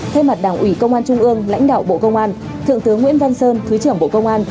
thay mặt đảng ủy công an trung ương lãnh đạo bộ công an thượng tướng nguyễn văn sơn thứ trưởng bộ công an